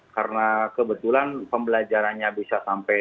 karena kebetulan pembelajarannya bisa sampai